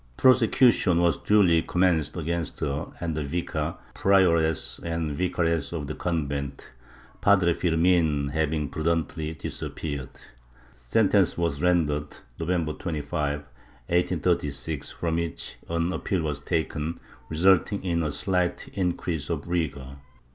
Prosecution was duly commenced against her and the Vicar, Prioress and Vicaress of the convent, Padre Firmin having prudently disappeared. Sentence was rendered, November 25, 1836, from which an appeal was taken, resulting in a slight increase of rigor.